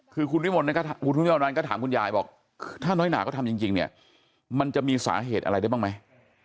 คือคุณวิราวันก็ถามคุณยายบอกถ้าน้อยหนาก็ทำจริงเนี่ยมันจะมีสาเหตุอะไรได้บ้างไหม